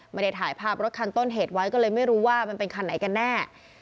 ไม่ได้ถ่ายภาพรถคันต้นเหตุไว้ก็เลยไม่รู้ว่ามันเป็นคันไหนกันแน่